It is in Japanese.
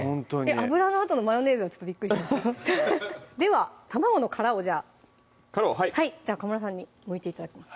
油のあとのマヨネーズはちょっとびっくりしましたでは卵の殻をじゃあ殻をはいじゃあ川村さんにむいて頂きます